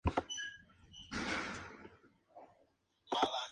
La entrada al mismo, por el lado oeste, posee un sencillo guardapolvos liso.